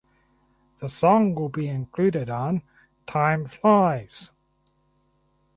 The song will be included on "Time Flies".